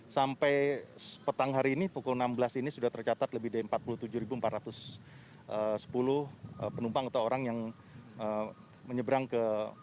sampai petang hari ini pukul enam belas ini sudah tercatat lebih dari empat puluh tujuh empat ratus sepuluh penumpang atau orang yang menyeberang ke